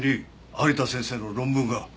有田先生の論文が。